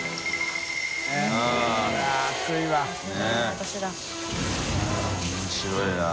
面白いな。